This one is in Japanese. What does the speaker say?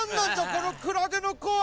このクラゲのこは。